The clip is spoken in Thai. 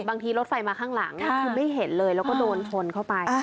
รถไฟมาข้างหลังคือไม่เห็นเลยแล้วก็โดนชนเข้าไป